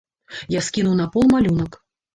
Я скінуў на пол малюнак.